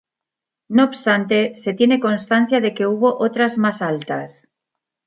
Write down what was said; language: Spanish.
No obstante, se tiene constancia de que hubo otras más altas.